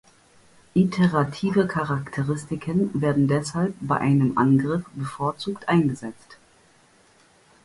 Iterative Charakteristiken werden deshalb bei einem Angriff bevorzugt eingesetzt.